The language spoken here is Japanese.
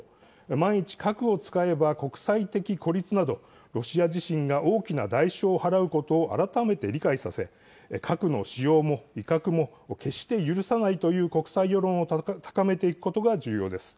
万一、核を使えば国際的孤立など、ロシア自身が大きな代償を払うことを改めて理解させ、核の使用も威嚇も決して許さないという国際世論を高めていくことが重要です。